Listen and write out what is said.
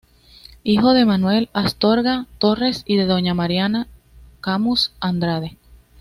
Hijo de Manuel Astorga Torres y de doña Mariana Camus Andrade.